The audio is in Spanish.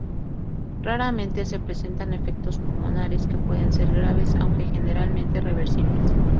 Raramente, se presentan efectos pulmonares, que pueden ser graves, aunque generalmente reversibles.